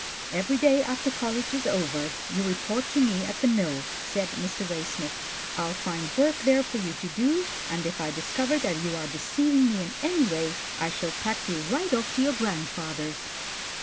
" Every day after college is over, you report to me at the mill," said Mr. Waysmith. "I'll find work there for you to do, and if I discover that you are deceiving me in any way, I shall pack you right off to your grandfather's."